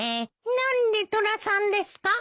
何でトラさんですか？